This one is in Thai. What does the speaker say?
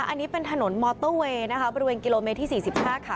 อันนี้เป็นถนนมอเตอร์เวย์นะคะบริเวณกิโลเมตรที่๔๕ค่ะ